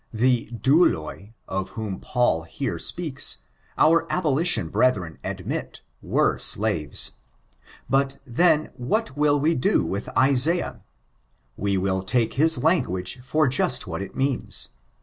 The douUn of whom Paul here speaks, our abolition brethren admit, toere slaves. But then, what will we do with Isaiah? We will take his language for just what it means.